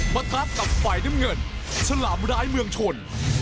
ประทะกับฝ่ายน้ำเงินฉลามร้ายเมืองชน